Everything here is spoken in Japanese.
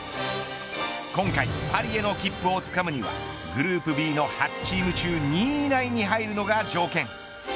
今回、パリへの切符をつかむにはグループＢの８チーム中２位以内に入るのが条件。